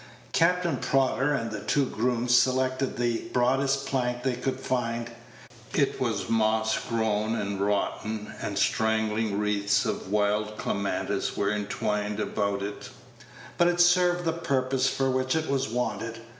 Captain Prodder and the two grooms selected the broadest plank they could find. It was moss grown and rotten, and straggling wreaths of wild clematis were entwined about it; but it served the purpose for which it was wanted.